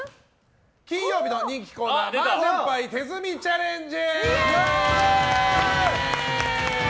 金曜日の人気コーナー麻雀牌手積みチャレンジ！